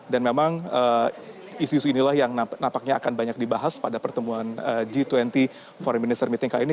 dan memang isu isu inilah yang nampaknya akan banyak dibahas pada pertemuan g dua puluh foreign minister meeting kali ini